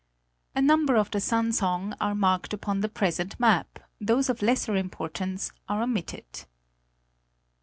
A number of the San séng are marked upon the present map ; those of lesser importance are omitted.